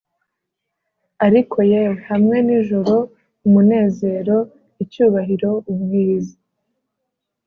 ariko yewe! hamwe nijoro - umunezero, icyubahiro, ubwiza: